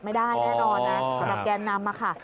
ไม่ได้แน่นอนสำหรับแกรมนำค่ะ